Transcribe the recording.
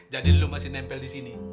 jadi lo masih nempel disini